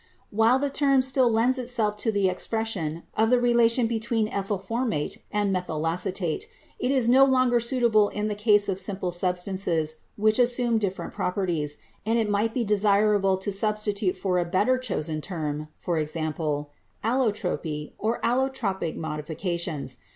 While the term still lends itself to the expression of the relation between ethylformate and methylacetate, it is no longer suitable in the case of simple substances which assume different properties, and it might be desirable to substi tute for it a better chosen term — e.g., allotropy, or allo tropic modifications.